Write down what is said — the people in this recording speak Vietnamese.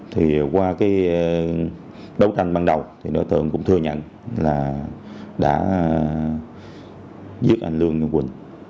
thì qua đấu tranh ban đầu đối tượng cũng thừa nhận là đã giết anh lương đức quỳnh